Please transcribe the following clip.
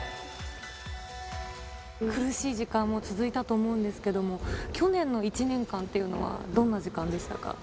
苦しい時間も続いたと思うんですけれども、去年の１年間っていうのは、どんな時間でしたか。